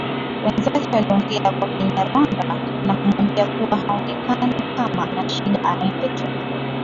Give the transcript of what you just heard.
Wenzake waliongea kwa Kinyarwanda na kumwambia kua haonekana kama ana shida aende tu